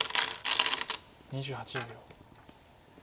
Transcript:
２８秒。